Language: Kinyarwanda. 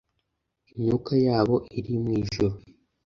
imyuka yabo iri mu ijuru